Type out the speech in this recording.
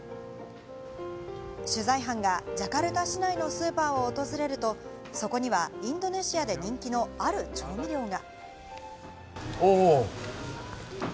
取材班がジャカルタ市内のスーパーを訪れると、そこにはインドネシアで人気のある調味料が。